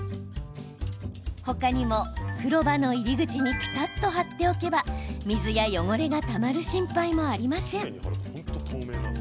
他にも、風呂場の入り口にピタっと貼っておけば水や汚れがたまる心配もありません。